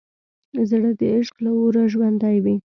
زړه د عشق له اوره ژوندی وي.